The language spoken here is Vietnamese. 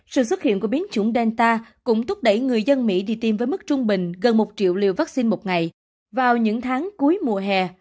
sự xuất hiện của biến chủng delta cũng thúc đẩy người dân mỹ đi tiêm với mức trung bình gần một triệu liều vaccine một ngày vào những tháng cuối mùa hè